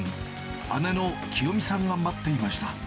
姉の貴代美さんが待っていました。